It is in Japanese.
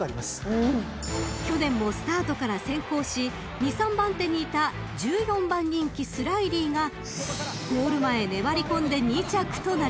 ［去年もスタートから先行し２３番手にいた１４番人気スライリーがゴール前粘り込んで２着となりました］